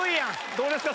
どうですか？